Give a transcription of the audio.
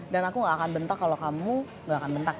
dan aku gak akan bentak kalau kamu gak akan bentak